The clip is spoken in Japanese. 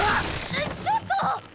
えっちょっと！